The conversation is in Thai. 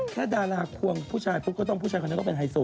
ดาราควงผู้ชายปุ๊บก็ต้องผู้ชายคนนั้นก็เป็นไฮโซ